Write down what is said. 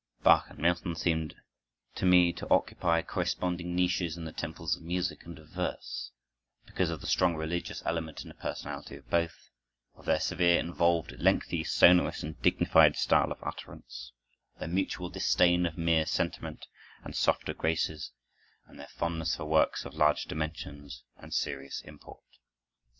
Bach and Milton seem to me to occupy corresponding niches in the temples of music and of verse, because of the strong religious element in the personality of both, of their severe, involved, lengthy, sonorous, and dignified style of utterance; their mutual disdain of mere sentiment and softer graces, and their fondness for works of large dimensions and serious import.